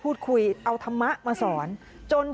พูดสิทธิ์ข่าวบอกว่าพระต่อว่าชาวบ้านที่มายืนล้อมอยู่แบบนี้ค่ะ